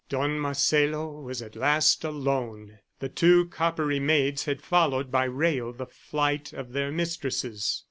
Don Marcelo was at last alone. The two coppery maids had followed by rail the flight of their mistresses.